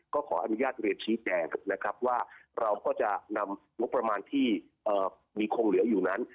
ขออนุญาตเรียนชี้แจงนะครับว่าเราก็จะนำงบประมาณที่มีคงเหลืออยู่นั้น